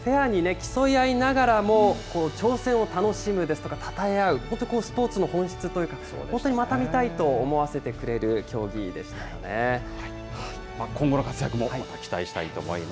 フェアに競い合いながらも挑戦を楽しむですとか、たたえ合う、スポーツの本質というか、本当にまた見たいと思わせてくれる競技今後の活躍も期待したいと思